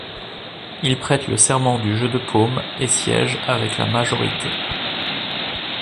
Il prête le serment du jeu de paume et siège avec la majorité.